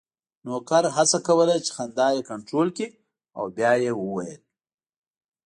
نوکر هڅه کوله چې خندا یې کنټرول کړي او بیا یې وویل: